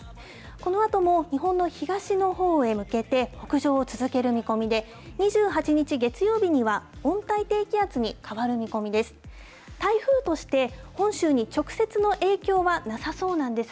このあとも日本の東のほうへ向けて北上を続ける見込みで、２８日月曜日には温帯低気圧に変わる見込みです。